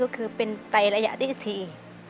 ก็คือเป็นไตระยะที่๔